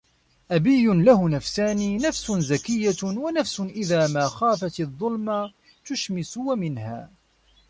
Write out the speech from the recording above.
أَبِيٌّ لَهُ نَفْسَانِ نَفْسٌ زَكِيَّةُ وَنَفْسٌ إذَا مَا خَافَتْ الظُّلْمَ تُشْمِسُ وَمِنْهَا